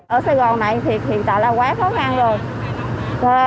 ở sài gòn này thì hiện tại là quá khó khăn rồi